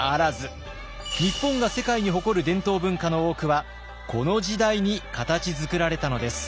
日本が世界に誇る伝統文化の多くはこの時代に形づくられたのです。